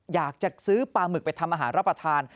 อยากจะซื้อปลาหมึกไปทำอาหารรับประทาน